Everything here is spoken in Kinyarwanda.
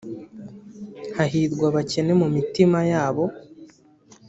“hahirwa abakene mu mitima yabo